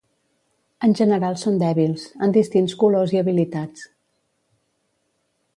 En general són dèbils, en distints colors i habilitats.